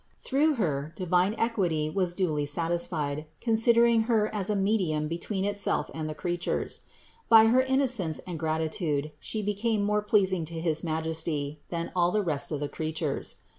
Through Her, divine equity was duly satisfied, consider ing Her as a medium between itself and the creatures. By her innocence and gratitude She became more pleasing to his Majesty than all the rest of the creatures.